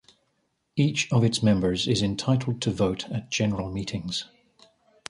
Each of its members is entitled to vote at general meetings.